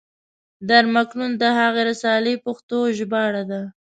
در مکنون د هغې رسالې پښتو ژباړه ده.